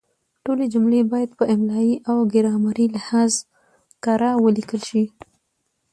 ټولې جملې باید په املایي او ګرامري لحاظ کره ولیکل شي.